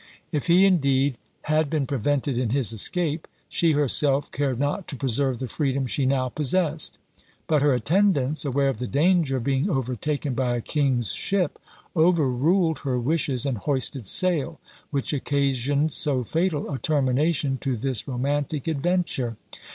If he indeed had been prevented in his escape, she herself cared not to preserve the freedom she now possessed; but her attendants, aware of the danger of being overtaken by a king's ship, overruled her wishes, and hoisted sail, which occasioned so fatal a termination to this romantic adventure.